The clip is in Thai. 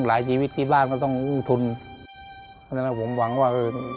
และกับผู้จัดการที่เขาเป็นดูเรียนหนังสือ